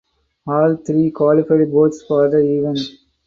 All three qualified boats for the event.